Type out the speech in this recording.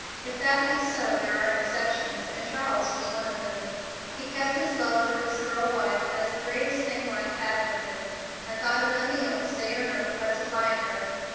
If that be so, there are exceptions, and Charles was one of them. He kept his love for his girl wife as the greatest thing life had for him, and thought of nothing else day or night but to find her.